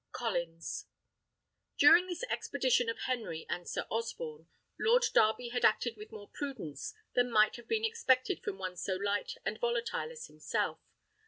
Collins. During this expedition of Henry and Sir Osborne, Lord Darby had acted with more prudence than might have been expected from one so light and volatile as himself.